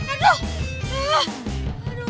aduh aduh aduh